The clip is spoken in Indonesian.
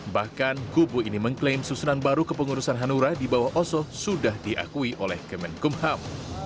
bahkan kubu ini mengklaim susunan baru kepengurusan hanura di bawah oso sudah diakui oleh kemenkumham